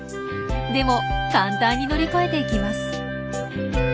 でも簡単に乗り越えていきます。